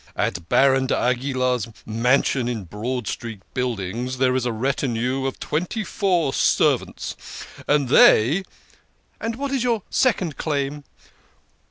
At Baron D'Aguilar's mansion in Broad Street Buildings there is a retinue of twenty four servants, and they "" And what is your second claim